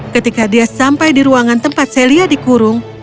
ketika dia sampai di ruangan tempat celia dikurung